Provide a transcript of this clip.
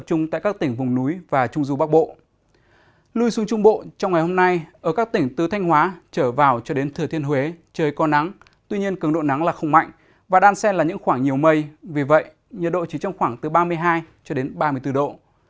các tỉnh từ thanh hóa trở vào cho đến thừa thiên huế trời có nắng tuy nhiên cường độ nắng là không mạnh và đan xen là những khoảng nhiều mây vì vậy nhiệt độ chỉ trong khoảng từ ba mươi hai ba mươi bốn độ